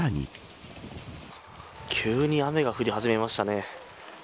急に雨が降り始めましたね。